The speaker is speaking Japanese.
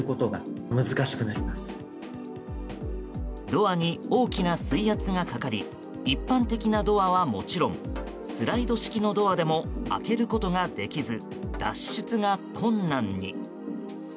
ドアに大きな水圧がかかり一般的なドアはもちろんスライド式のドアでも開けることができず脱出が困難に。